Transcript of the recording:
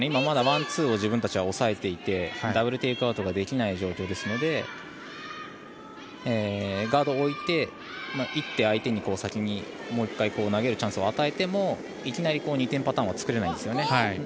まだワン、ツーを自分たちは抑えていてダブル・テイクアウトができない状況ですのでガードを置いて、１手相手に先に投げるチャンスを与えてもいきなり２点パターンは作れないんですよね。